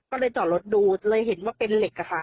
ก็เลยจอดรถดูเลยเห็นว่าเป็นเหล็กอะค่ะ